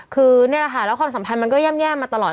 คือนี่แหละค่ะแล้วความสัมพันธ์มันก็ย่ำแย่มาตลอด